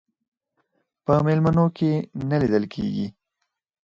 په میلمنو کې نه لیدل کېږي.